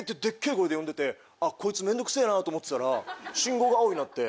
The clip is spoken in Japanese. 声で呼んでてこいつ面倒くせぇなと思ってたら信号が青になって。